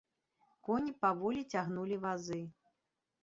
Коні паволі цягнулі вазы.